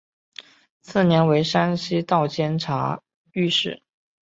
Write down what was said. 次年为山西道监察御史。